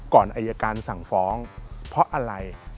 ก่อนอัยการณ์ส่งฟ้องเพราะอะไร